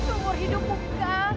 umur hidupku kak